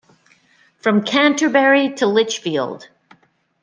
"From Canterbury to Lichfield".